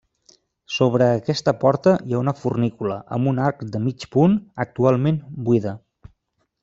Sobre aquesta porta hi ha una fornícula, amb un arc de mig punt, actualment buida.